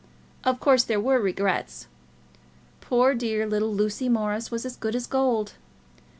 Of course there were regrets. Poor dear little Lucy Morris was as good as gold.